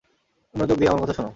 মনযোগ দিয়ে আমার কথা শোনো।